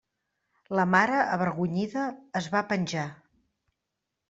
La mare, avergonyida, es va penjar.